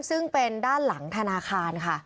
ซึ่งเป็นด้านหลังธนาคารค่ะ